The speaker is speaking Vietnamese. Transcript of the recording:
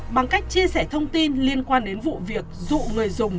bằng cách chia sẻ thông tin liên quan đến vụ việc dụ người dùng